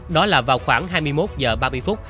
đó là vào khoảng hai mươi một h ba mươi phút